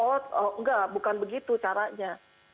enggak bukan begitu caranya